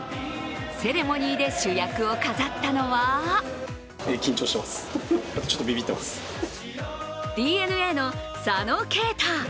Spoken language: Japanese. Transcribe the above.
セレモニーで主役を飾ったのはＤｅＮＡの佐野恵太。